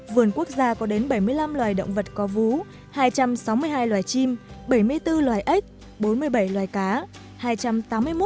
vườn quốc gia có đến bảy mươi năm loài động vật có vú hai trăm sáu mươi hai loài chim bảy mươi bốn loài ếch bốn mươi bảy loài cá